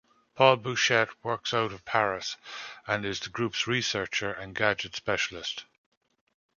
Paul Buchet works out of Paris, and is the group's researcher and gadget specialist.